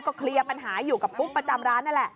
เคลียร์ปัญหาอยู่กับกุ๊กประจำร้านนั่นแหละ